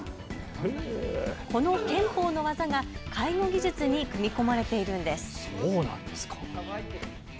この拳法の技が介護技術に組み込まれているんです。